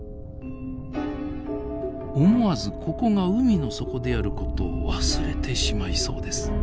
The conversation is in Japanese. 思わずここが海の底であることを忘れてしまいそうです。